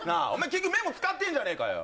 結局メモ使ってんじゃねえかよ